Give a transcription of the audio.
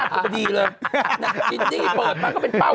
ข้อมูลของเหยื่อเขาบอกว่า